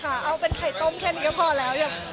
เอาเป็นไข่ต้มแค่นี้ก็พอแล้ว